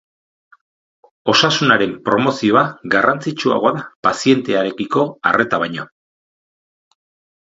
Osasunaren promozioa garrantzitsuagoa da pazientearekiko arreta baino.